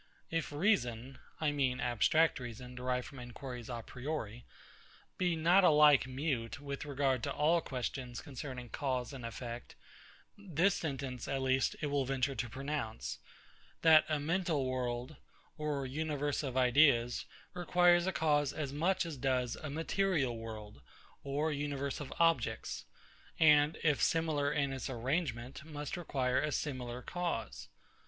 If Reason (I mean abstract reason, derived from inquiries a priori) be not alike mute with regard to all questions concerning cause and effect, this sentence at least it will venture to pronounce, That a mental world, or universe of ideas, requires a cause as much, as does a material world, or universe of objects; and, if similar in its arrangement, must require a similar cause.